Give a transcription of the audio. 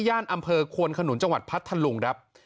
อำเภอควนขนุนจังหวัดพัทธลุงครับ